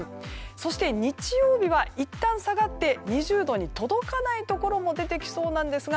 そして日曜日はいったん下がって２０度に届かないところも出てきそうなんですが